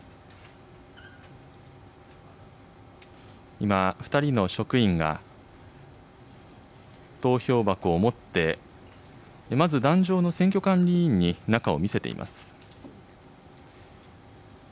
今、２人の職員が、投票箱を持って、まず壇上の選挙管理委員に中を見せています。